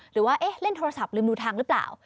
หรือว่าเล่นโทรศัพท์ลืมดูทางหรือเปล่า